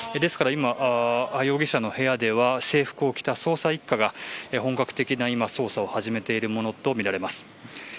今、容疑者の部屋では制服を着た捜査一課が本格的な捜査を始めているものとみられています。